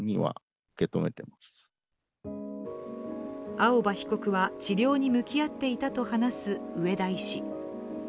青葉被告は治療に向き合っていたと話す上田医師。